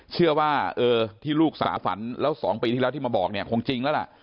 เชื่อว่าเออที่ลูกสาฝันแล้ว๒ปีที่แล้วที่มาบอกเนี่ยคงจริงแล้วล่ะ